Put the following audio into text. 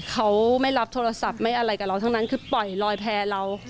เขาไม่รับโทรศัพท์ไม่อะไรกับเราทั้งนั้นคือปล่อยลอยแพร่เรา